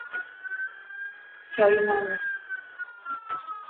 Čoináne.